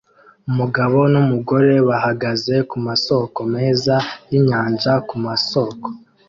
Umugabo numugore bahagaze kumasoko meza yinyanja kumasoko